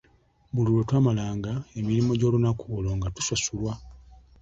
Buli lwetwamalanga emirimu gy'olunaku olwo nga tusasulwa.